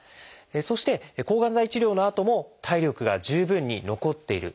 そして抗がん剤治療のあとも体力が十分に残っている。